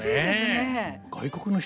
外国の人